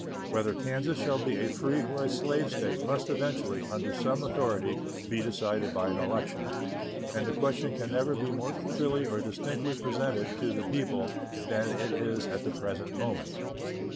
Whether Kansas shall be a free or a slave State must eventually, under some authority, be decided by an election; and the question can never be more clearly or distinctly presented to the people than it is at the present moment.